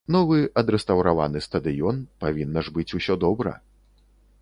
Новы, адрэстаўраваны стадыён, павінна ж быць усё добра.